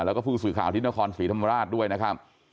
แล้วก็ผู้สื่อข่าวที่นครศรีธรรมราชด้วยนะครับ